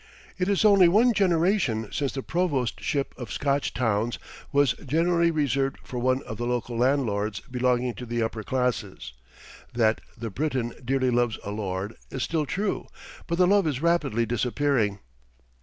It is only one generation since the provostship of Scotch towns was generally reserved for one of the local landlords belonging to the upper classes. That "the Briton dearly loves a lord" is still true, but the love is rapidly disappearing.